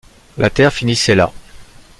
La terre finissait là.